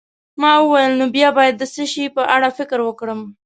ما وویل: نو بیا باید د څه شي په اړه فکر وکړم؟